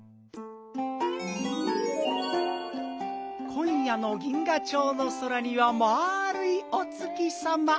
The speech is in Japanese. こんやの銀河町の空にはまあるいお月さま。